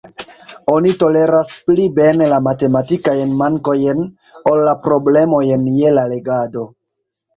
Oni toleras pli bene la matematikajn mankojn, ol la problemojn je la legado.